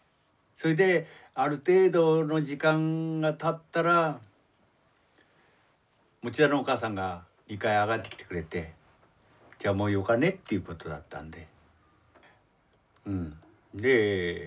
それである程度の時間がたったら田のお母さんが２階へ上がってきてくれて「じゃあもうよかね」っていうことだったんで。